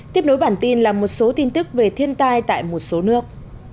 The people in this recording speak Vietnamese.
tiếp nối bản tin là một số tin tức về thiên tai tại một số nước